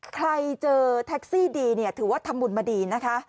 ใครเจอแท็กซี่ดีเนี่ยถือว่าทำบุญมาดีนะคะ